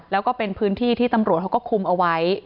แล้วก็เป็นพื้นที่ที่ตำรวจเขาก็คุมเอาไว้